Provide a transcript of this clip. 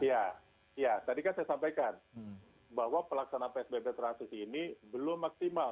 ya tadi kan saya sampaikan bahwa pelaksanaan psbb transisi ini belum maksimal